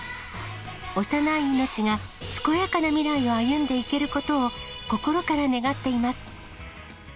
幼い命が健やかな未来を歩んでいけることを、心から願っています。